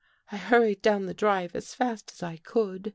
I hurried down the drive as fast as I could.